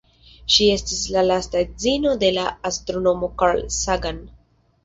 Ŝi estis la lasta edzino de la astronomo Carl Sagan.